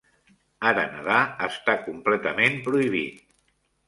Ara nedar està completament prohibit.